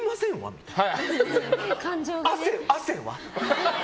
みたいな。